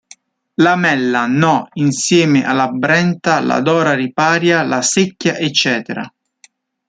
La Mella, no, insieme a la Brenta, la Dora Riparia, la Secchia, etc..